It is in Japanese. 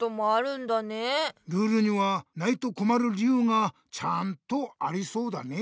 ルールにはないとこまる理ゆうがちゃんとありそうだね。